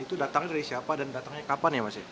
itu datangnya dari siapa dan datangnya kapan ya mas ya